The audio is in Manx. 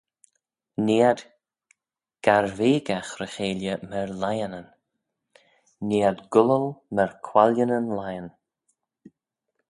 Nee ad garveigagh ry-cheilley myr lionyn: nee ad gullal myr quallianyn lion.